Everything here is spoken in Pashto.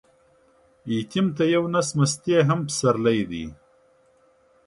يتيم ته يو نس مستې هم پسرلى دى.